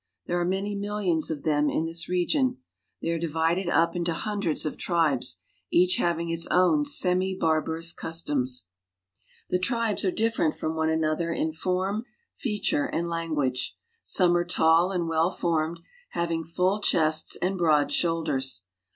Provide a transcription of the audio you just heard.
There are many millions of them in this region. They are divided up into hundreds of tribes, each having its own semibarbarous customs. THE HOME OF THE NEGRO 193 The tribes are different from one another in form, feature, ' and language. Some are tail and well formed, having full chests and broad shoulders.